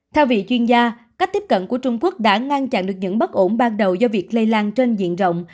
theo vị chuyên gia cách tiếp cận của trung quốc đã ngăn chặn được những bất ổn ban đầu do việc lây lan trên diện rộng